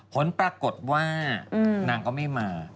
ผลปรากฏว่านางก็ไม่มา